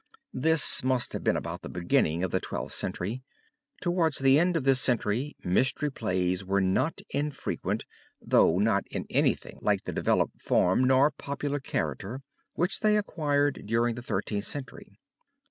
This must have been about the beginning of the Twelfth Century. Towards the end of this century mystery plays were not infrequent, though not in anything like the developed form nor popular character which they acquired during the Thirteenth Century.